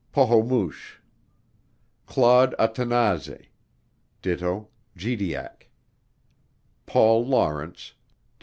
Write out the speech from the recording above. Pohomoosh, Claud Atanaze, do. Gediack, Paul Lawrence, do.